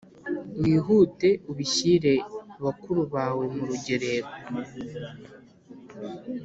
wihute ubishyire bakuru bawe mu rugerero